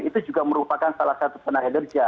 itu juga merupakan salah satu penari kerja